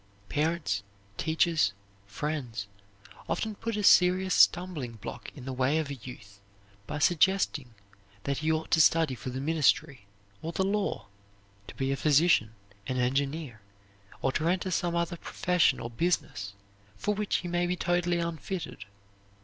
Parents, teachers, friends often put a serious stumbling block in the way of a youth by suggesting that he ought to study for the ministry, or the law; to be a physician, an engineer, or enter some other profession or business for which he may be totally unfitted.